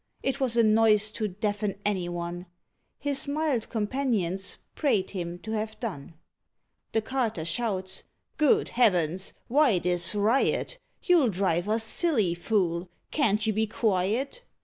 It was a noise to deafen any one: His mild companions prayed him to have done. The carter shouts, "Good heavens! why this riot? You'll drive us silly; fool! can't you be quiet?